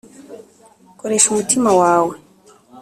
koresha umutima wawe